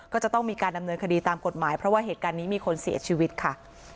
ก็จะต้องมีการดำเนินคดีตามกฎหมายเพราะว่าเหตุการณ์นี้มีคนเสียชีวิตค่ะ